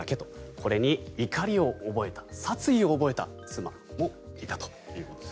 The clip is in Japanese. これに怒りを覚えた殺意を覚えた妻もいたということです。